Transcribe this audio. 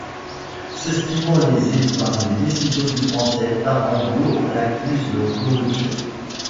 S'estimant lésé par les décisions du français, Tarango l'accuse de corruption.